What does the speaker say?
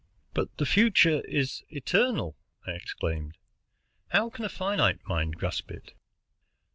"But the future is eternal!" I exclaimed. "How can a finite mind grasp it?"